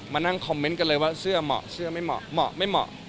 มานั่งคอมเมนต์กันเลยว่าเสื้อเหมาะเสื้อไม่เหมาะไม่เหมาะ